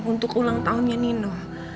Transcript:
untuk ulang tahunnya nino